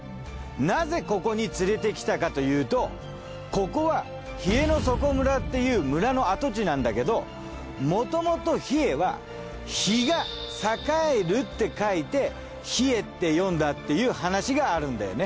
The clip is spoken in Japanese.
なぜここに連れてきたかというとここは稗之底村っていう村の跡地なんだけどもともと稗は日が栄えるって書いて「ヒエ」って読んだっていう話があるんだよね。